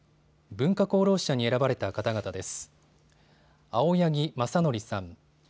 文化功労者に選ばれた方々です。